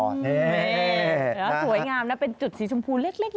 นี่สวยงามนะเป็นจุดสีชมพูเล็ก